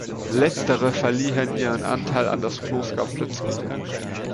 Letztere verliehen ihren Anteil an das Kloster Plötzky.